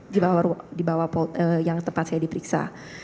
di bawah yang tepat saya diperiksa